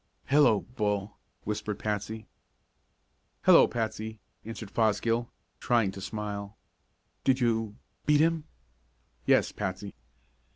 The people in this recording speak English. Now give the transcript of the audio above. "Hello, Bull!" whispered Patsy. "Hello, Patsy!" answered Fosgill, trying to smile. "Did you beat him?" "Yes, Patsy."